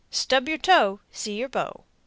Stub your toe See your beau.